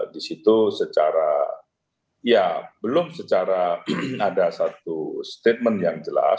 di situ secara ya belum secara ada satu statement yang jelas